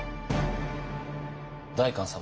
お代官様